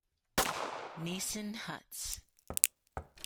nissen huts.